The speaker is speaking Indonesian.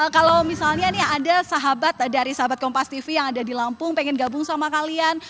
kalau misalnya nih ada sahabat dari sahabat kompas tv yang ada di lampung pengen gabung sama kalian